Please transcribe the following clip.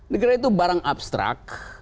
negara itu barang abstrak